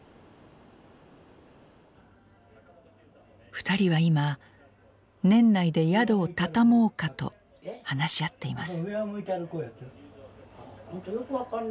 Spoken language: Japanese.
２人は今「年内で宿を畳もうか」と話し合っています。